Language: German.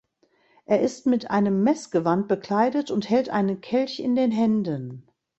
Er ist mit einem Messgewand bekleidet und hält einen Kelch in den Händen.